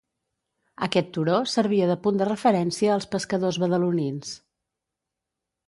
Aquest turó servia de punt de referència als pescadors badalonins.